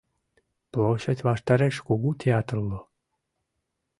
Площадь ваштареш кугу театр уло.